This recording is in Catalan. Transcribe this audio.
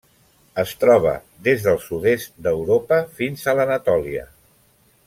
Es troba des del sud-est d'Europa fins a l'Anatòlia.